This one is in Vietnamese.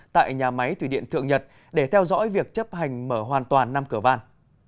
tại nhà máy thủy điện thượng nhật để theo dõi việc chấp hành mở hoàn toàn năm cửa van